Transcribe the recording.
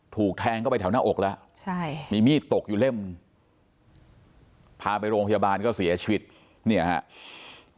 ถูกแทงเข้าไปแถวหน้าอกแล้วใช่มีมีดตกอยู่เล่มพาไปโรงพยาบาลก็เสียชีวิตเนี่ยครับ